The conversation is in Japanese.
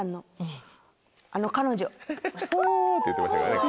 「ふぉ」って言ってましたからね。